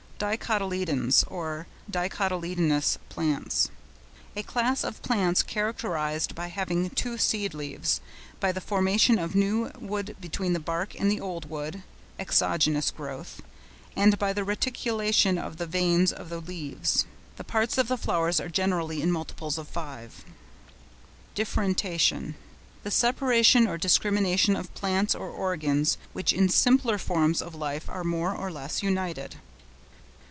DICOTYLEDONS, or DICOTYLEDONOUS PLANTS.—A class of plants characterised by having two seed leaves, by the formation of new wood between the bark and the old wood (exogenous growth) and by the reticulation of the veins of the leaves. The parts of the flowers are generally in multiples of five. DIFFERENTATION.—The separation or discrimination of parts or organs which in simpler forms of life are more or less united.